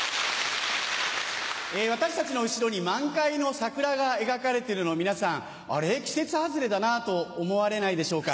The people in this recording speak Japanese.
私たちの後ろに満開の桜が描かれてるのを皆さん「あれ？季節外れだな」と思われないでしょうか。